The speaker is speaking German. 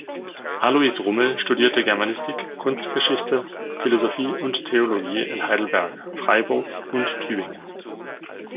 Alois Rummel studierte Germanistik, Kunstgeschichte, Philosophie und Theologie in Heidelberg, Freiburg und Tübingen.